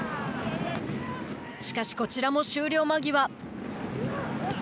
しかし、こちらも終了間際。